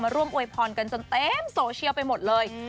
ร่วมอวยพรกันจนเต็มโซเชียลไปหมดเลย